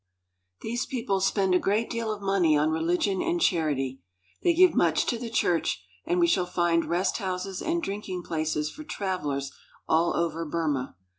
These people spend a great deal of money on religion and charity. They give much to the church, and we shall find rest houses and drinking places for travelers all over Burma.